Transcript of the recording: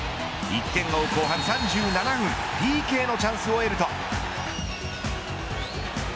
１点を追う後半３７分ＰＫのチャンスを得ると。